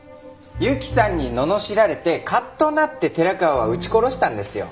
由紀さんにののしられてカッとなって寺川は撃ち殺したんですよ。